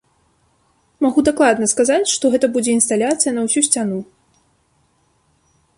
Магу дакладна сказаць, што гэта будзе інсталяцыя на ўсю сцяну.